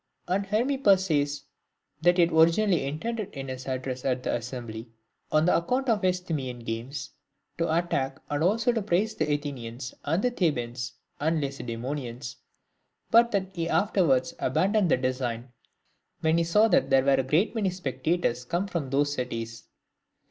And Hermippus says, that he had origi nally intended in his address at the assembly, on account of the Isthmian games, to attack and also to praise the Athenians, and Thebans, and Lacedaemonians ; but that he afterwards abandoned the design, when he saw that there were a great many spectators come from those cities.